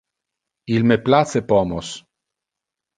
Il me place pomos.